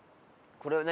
これは何？